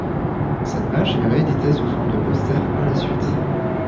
Cette page est rééditée sous forme de poster par la suite.